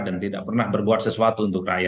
dan tidak pernah berbuat sesuatu